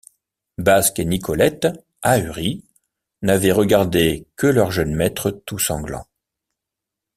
Basque et Nicolette, ahuris, n’avaient regardé que leur jeune maître tout sanglant.